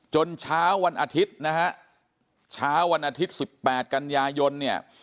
เช้าวันอาทิตย์นะฮะเช้าวันอาทิตย์๑๘กันยายนเนี่ย